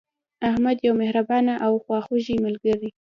احمد یو مهربانه او خواخوږی ملګری